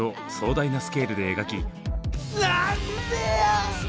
なんでや。